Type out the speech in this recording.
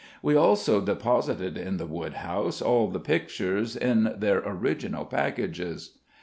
We also deposited in the woodhouse all the pictures, in their original packages.